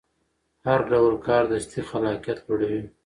هر ډول کاردستي خلاقیت لوړوي.